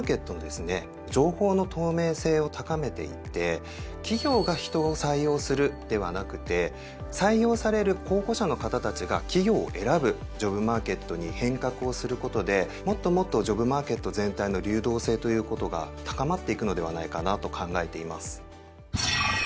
情報の透明性を高めていって企業が人を採用するではなくて採用される候補者の方たちが企業を選ぶジョブマーケットに変革をすることでもっともっとジョブマーケット全体の流動性ということが高まっていくのではないかなと考えています。